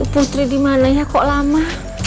putri dimana ya kok lama